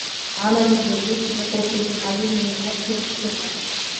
عملي الجديد يترك لي القليل من الوقت للاختلاط.